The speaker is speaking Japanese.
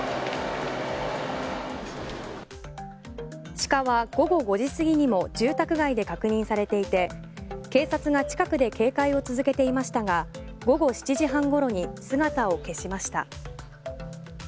鹿は午後５時過ぎにも住宅街で確認されていて警察が近くで警戒を続けていましたが午後７時半ごろに姿を消しました。